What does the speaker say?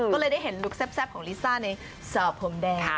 ก็เลยได้เห็นลุคแซ่บของลิซ่าในสอบผมแดง